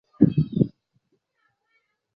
妳不知道家里饭还没煮吗